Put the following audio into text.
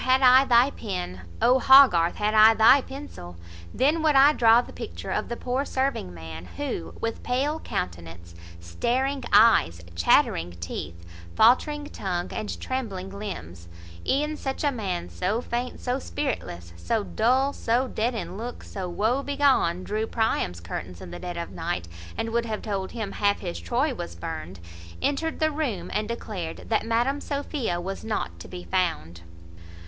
had I thy pen! O, Hogarth! had I thy pencil! then would I draw the picture of the poor serving man, who, with pale countenance, staring eyes, chattering teeth, faultering tongue, and trembling limbs, (E'en such a man, so faint, so spiritless, So dull, so dead in look, so woe begone, Drew Priam's curtains in the dead of night, And would have told him, half his Troy was burn'd) entered the room, and declared That Madam Sophia was not to be found.